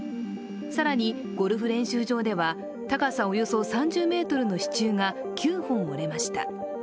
更にゴルフ練習場では高さおよそ３０ｍの支柱が９本折れました。